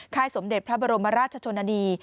สมเด็จพระบรมราชชนนานี